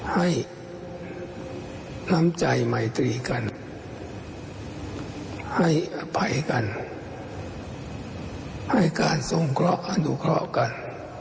ให้น้ำใจไมตรีกันให้อภัยกันให้การทรงเคราะห์อนุเคราะห์กัน